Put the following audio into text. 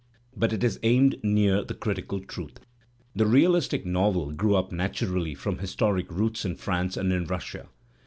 But it is aimed near the critical truth. The realistic I novel grew up naturally from historic roots in Prance and . V in Russia.